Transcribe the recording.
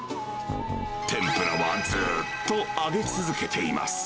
天ぷらはずっと揚げ続けています。